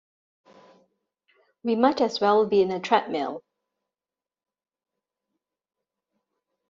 We might as well be in a treadmill.